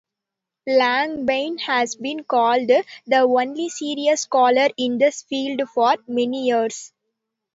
Langbaine has been called "the only serious scholar in this field for many years".